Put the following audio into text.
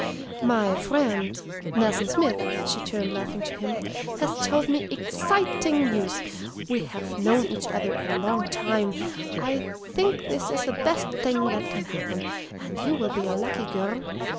"My friend Nelson Smith" (she turned, laughing, to him), "has told me ex citing news. We have known each other a long time. I think this is the best thing that can happen. And you will be a lucky girl.